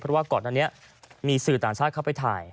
เพราะว่าก่อนอันนี้มีสื่อต่างชาติเข้าไปถ่าย